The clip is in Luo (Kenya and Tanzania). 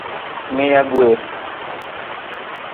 miya gweth